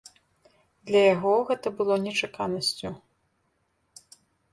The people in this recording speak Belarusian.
Для яго гэта было нечаканасцю.